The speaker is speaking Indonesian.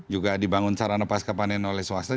juga dibangun secara lepas kepaninan oleh swasta